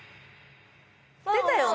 出たよね？